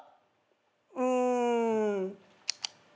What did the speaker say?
うん。